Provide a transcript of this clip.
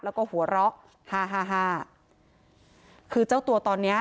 แล้วก็หัวเราะฮ่าฮ่าฮ่าคือเจ้าตัวตอนเนี้ย